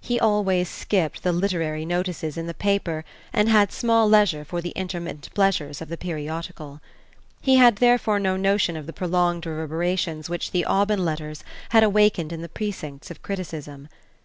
He always skipped the "literary notices" in the papers and he had small leisure for the intermittent pleasures of the periodical. He had therefore no notion of the prolonged reverberations which the "Aubyn Letters" had awakened in the precincts of criticism.